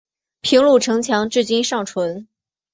平鲁城墙至今尚存。